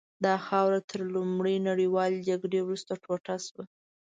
دا خاوره تر لومړۍ نړیوالې جګړې وروسته ټوټه شوه.